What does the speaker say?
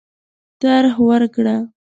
طرح ورکړه.